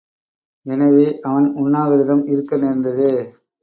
எனவே அவன் உண்ணவிரதம் இருக்க நேர்ந்தது.